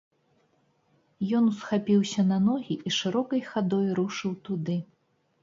Ён усхапіўся на ногі і шырокай хадой рушыў туды.